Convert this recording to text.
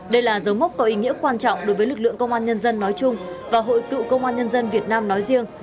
đây là dấu mốc có ý nghĩa quan trọng đối với lực lượng công an nhân dân nói chung và hội cựu công an nhân dân việt nam nói riêng